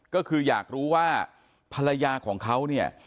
ก็คืออยากรู้ว่าภรรยาของเขาเนี่ย